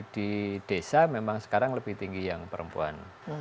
di desa memang sekarang lebih tinggi yang perempuan